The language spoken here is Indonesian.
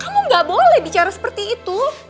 kamu gak boleh bicara seperti itu